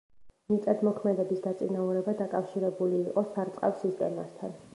მიწათმოქმედების დაწინაურება დაკავშირებული იყო სარწყავ სისტემასთან.